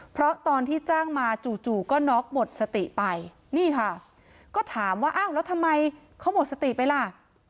เพราะตอนที่จ้างมาจู่ก็น็อกหมดสติไปนี่ค่ะก็ถามว่าอ้าวแล้วทำไมเขาหมดสติไปล่ะ